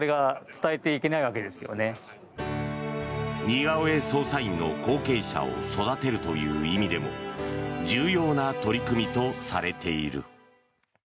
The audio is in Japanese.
似顔絵捜査員の後継者を育てるという意味でも重要な取り組みとされている。